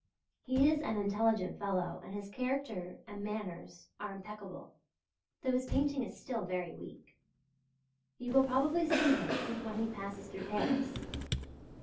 He is an intelligent fellow and his character and manners are impeccable, though his painting is still very weak. You will probably see him when he passes through Paris.